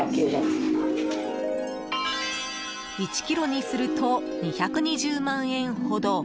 １ｋｇにすると２２０万円ほど。